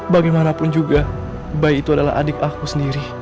bagaimanapun juga bayi itu adalah adik aku sendiri